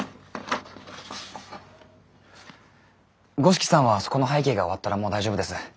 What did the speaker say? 五色さんはそこの背景が終わったらもう大丈夫です。